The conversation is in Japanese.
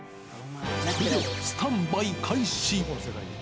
それでは、スタンバイ開始。